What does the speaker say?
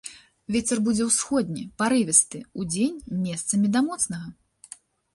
Вецер будзе ўсходні, парывісты, удзень месцамі да моцнага.